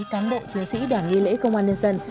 cán bộ chiến sĩ đoàn nghi lễ công an nhân dân